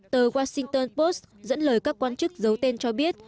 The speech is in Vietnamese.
tờ washington post dẫn lời các quan chức giấu tên cho biết